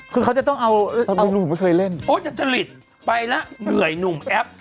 คือเขาจะต้องเอาโอ๊ยจะจริตไปละเหนื่อยหนุ่มแอป